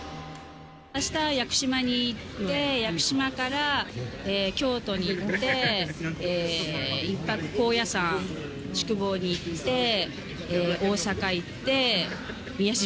明日、屋久島に行って屋久島から京都に行って１泊、高野山宿坊に行って大阪、行って宮島、